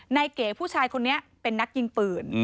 เก๋ผู้ชายคนนี้เป็นนักยิงปืน